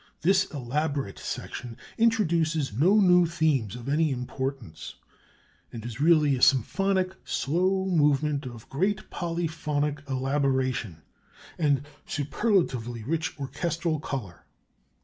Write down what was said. This elaborate section introduces no new themes of any importance, and is really a symphonic slow movement of great polyphonic elaboration and superlatively rich orchestral color.